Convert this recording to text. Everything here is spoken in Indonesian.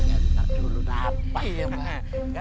gak sabar mbak